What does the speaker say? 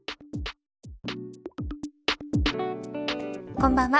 こんばんは。